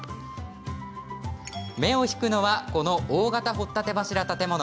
目を引くのは、この大型掘立柱建物。